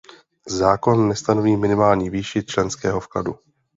Zákon nestanoví minimální výši členského vkladu.